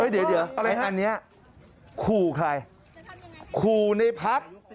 เดี๋ยวอะไรฮะคู่ใครคู่ในพักษณ์